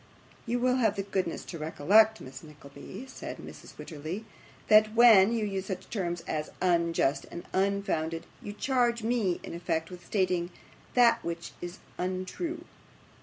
'You will have the goodness to recollect, Miss Nickleby,' said Mrs Wititterly, 'that when you use such terms as "unjust", and "unfounded", you charge me, in effect, with stating that which is untrue.